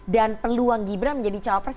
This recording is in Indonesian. dan peluang gibran menjadi jawab pers